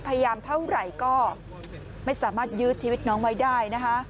พยายามเท่าไหร่ก็ไม่สามารถยื้อชีวิตน้องไว้ได้นะคะ